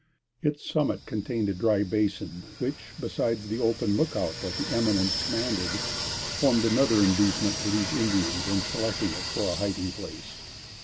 Its summit contained a dry basin; which, besides the open lookout that the eminence commanded, formed another inducement to these Indians in selecting it for a hiding place.